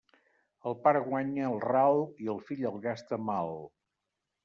El pare guanya el ral i el fill el gasta mal.